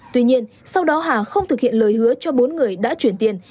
tuy nhiên sau đó hà không thực hiện lời hứa cho bốn người đã chuyển tiền